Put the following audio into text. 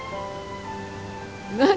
何？